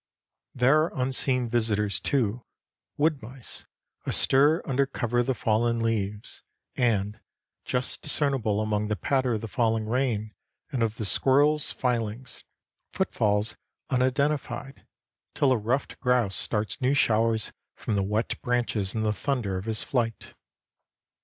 There are unseen visitors, too: wood mice, astir under cover of the fallen leaves, and, just discernible among the patter of the falling rain and of the squirrels' filings, footfalls unidentified, till a ruffed grouse starts new showers from the wet branches in the thunder of his flight.